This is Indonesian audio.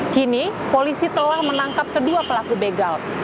kini polisi telah menangkap kedua pelaku begal